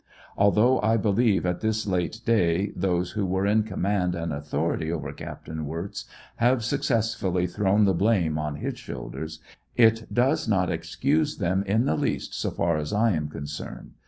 Although, I ^ believe at this late day those who were in command and authority over Capt. Wirtz have successfully thrown the blame on his shoulders, it does not excuse them in the least so far as I am concerned.